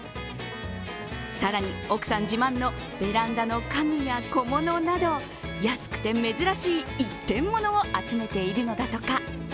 更に、奥さん自慢のベランダの家具や小物など安くて珍しい一点ものを集めているのだとか。